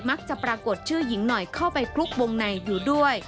ปรากฏชื่อหญิงหน่อยเข้าไปพลุกวงในอยู่ด้วย